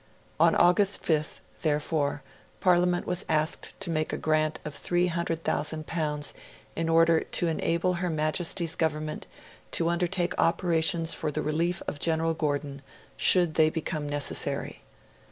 On August 5th, therefore, Parliament was asked to make a grant of L300,000, in order 'to enable Her Majesty's Government to undertake operations for the relief of General Gordon, should they become necessary'.